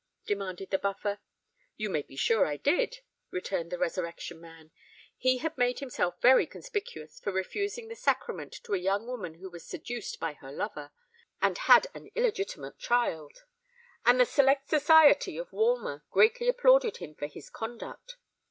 demanded the Buffer. "You may be sure I did," returned the Resurrection Man. "He had made himself very conspicuous for refusing the sacrament to a young woman who was seduced by her lover, and had an illegitimate child; and the 'select society' of Walmer greatly applauded him for his conduct.